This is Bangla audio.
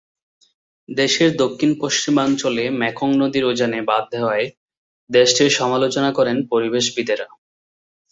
দেশের দক্ষিণ পশ্চিমাঞ্চলে মেকং নদীর উজানে বাঁধ দেওয়ায় দেশটির সমালোচনা করেন পরিবেশবিদেরা।